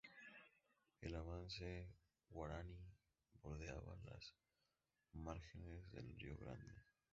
El avance guaraní bordeaba las márgenes del río Grande.